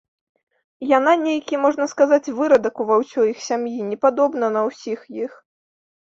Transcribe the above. Яна нейкі, можна сказаць, вырадак ува ўсёй іх сям'і, не падобна на ўсіх іх.